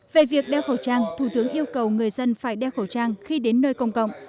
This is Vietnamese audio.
vì vậy thủ tướng yêu cầu người dân phải đeo khẩu trang khi đến nơi công cộng